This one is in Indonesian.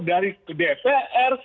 dari ke dpr